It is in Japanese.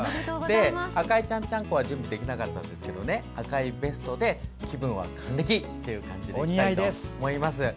赤いちゃんちゃんこは準備できなかったんですけど赤いベストで気分は還暦という感じでいきたいと思います。